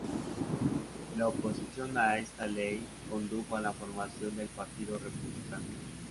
La oposición a esta ley condujo a la formación del Partido Republicano.